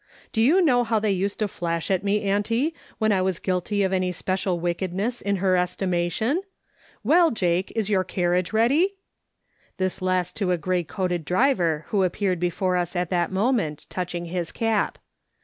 Do you know how they used to flash at me, auntie, when I was guilty of any special wickedness, in her estimation ? Well, Jake, is your carriage ready ?" This last to a grey coated driver who appeared before us at that moment, touching his cap.